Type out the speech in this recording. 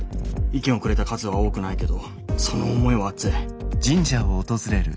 意見をくれた数は多くないけどその思いは熱い。